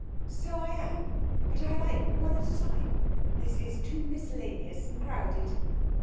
'So I am, but I like one at a time. This is too miscellaneous and crowded.'